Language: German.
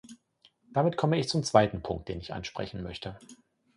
Damit komme ich zum zweiten Punkt, den ich ansprechen möchte.